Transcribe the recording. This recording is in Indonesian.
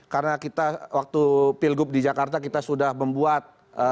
karena kita waktu pilgub di jakarta kita sudah membuat